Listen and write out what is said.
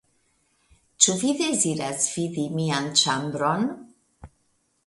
Ĉu vi deziras vidi mian ĉambron?